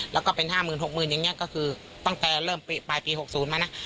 แล้วก็เป็น๕๐๐๖๐๐๐อย่างนี้ก็คือตั้งแต่เริ่มปลายปี๖๐มานะ